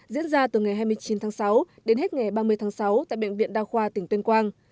diễn ra từ ngày hai mươi chín tháng sáu đến hết ngày ba mươi tháng sáu tại bệnh viện đa khoa tỉnh tuyên quang